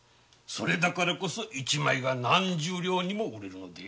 それだからこそ一枚が何十両にも売れるので。